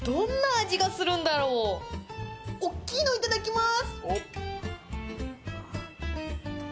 おっきいのいただきます！